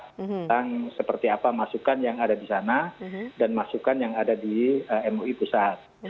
tentang seperti apa masukan yang ada di sana dan masukan yang ada di mui pusat